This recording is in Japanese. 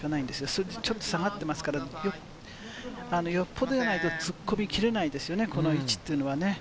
そしてちょっと下がってますから、よっぽどじゃないと突っ込みきれないですよね、この位置っていうのはね。